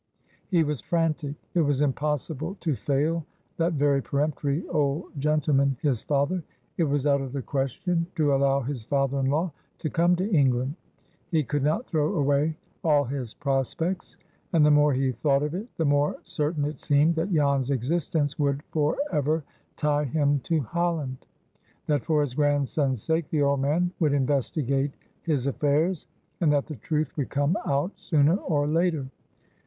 He was frantic. It was impossible to fail that very peremptory old gentleman, his father. It was out of the question to allow his father in law to come to England. He could not throw away all his prospects. And the more he thought of it, the more certain it seemed that Jan's existence would for ever tie him to Holland; that for his grandson's sake the old man would investigate his affairs, and that the truth would come out sooner or later.